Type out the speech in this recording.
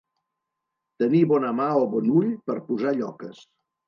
Tenir bona mà o bon ull per posar lloques.